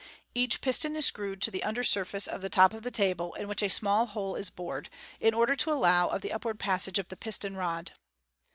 Each piston is screwed to the under surface of the top of the table, in which a small hole is kored, in order to allow of the upward passage of the piston rod.